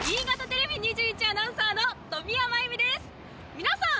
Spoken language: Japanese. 皆さん！